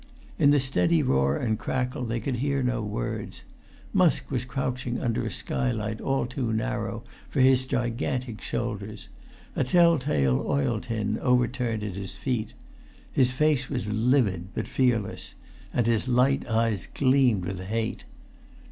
In the steady roar and crackle they could hear no words. Musk was crouching under a skylight all too narrow for his gigantic shoulders, a tell tale oil tin overturned at his feet. His face was livid, but fearless, and his light eyes gleamed with hate.